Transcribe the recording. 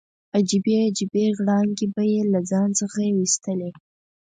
عجیبې عجیبې غړانګې به یې له ځان څخه ویستلې.